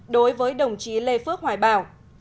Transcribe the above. đối với đồng chí lê phước hoài bảo